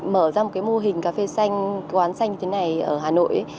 mở ra một cái mô hình cà phê xanh quán xanh thế này ở hà nội